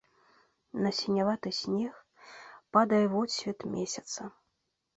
На сіняваты снег падае водсвет месяца.